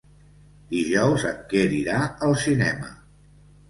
Dijous en Quer irà al cinema.